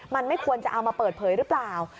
มันไม่ควรจะเอามาเปิดเผยหรือเปล่า